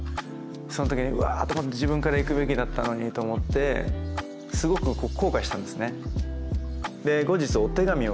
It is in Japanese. そのときにうわと思って自分から行くべきだったのにと思ってすごく後悔したんですね。